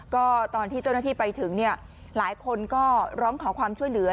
ก็ตอนที่เจ้าหน้าที่ไปถึงเนี่ยหลายคนก็ร้องขอความช่วยเหลือ